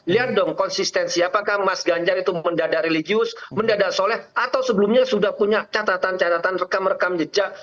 lihat dong konsistensi apakah mas ganjar itu mendadak religius mendadak soleh atau sebelumnya sudah punya catatan catatan rekam rekam jejak